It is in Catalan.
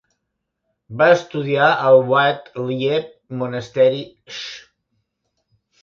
Va estudiar al Wat Liep Monastery Sch.